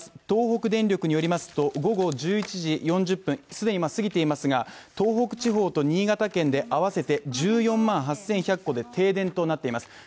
東北電力によりますと、午後１１時４０分、既に過ぎていますが、東北地方と新潟県であわせて１４万８１００戸で停電となっています。